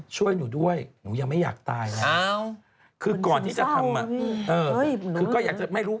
ช่วยหนูด้วยหนูยังไม่อยากตายนะคือก่อนที่จะทำคือก็อยากจะไม่รู้